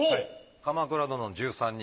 『鎌倉殿の１３人』。